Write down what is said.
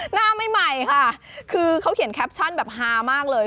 หน้าไม่ใหม่ค่ะคือเขาเขียนแคปชั่นแบบฮามากเลย